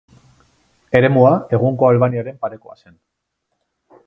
Eremua egungo Albaniaren parekoa zen.